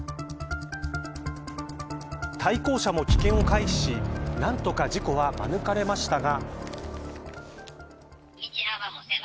対向車も危険を回避し何とか事故は免れましたが。